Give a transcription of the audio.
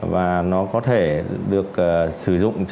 vâng thưa đồng chí